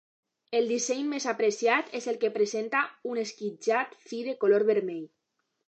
El disseny més apreciat és el que presenta un esquitxat fi de color vermell.